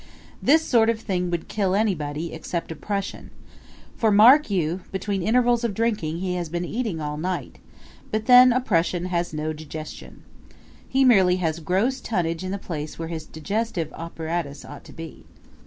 This sort of thing would kill anybody except a Prussian for, mark you, between intervals of drinking he has been eating all night; but then a Prussian has no digestion. He merely has gross tonnage in the place where his digestive apparatus ought to be.